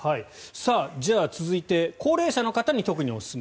じゃあ、続いて高齢者の方に特におすすめ。